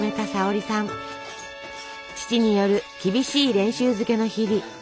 父による厳しい練習漬けの日々。